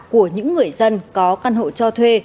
của những người dân có căn hộ cho thuê